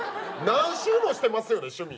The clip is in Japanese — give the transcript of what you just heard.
何周もしてますよね趣味。